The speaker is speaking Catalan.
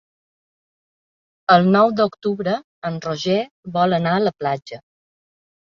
El nou d'octubre en Roger vol anar a la platja.